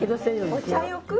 お茶浴？